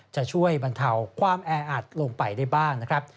จะช่วยบรรเทาความแออัดลงไปได้บ้างนะครับ